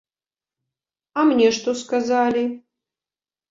А мне што сказалі?